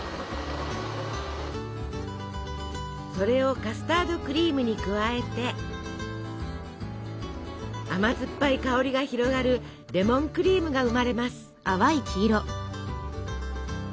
それをカスタードクリームに加えて甘酸っぱい香りが広がるレモンクリームが生まれます！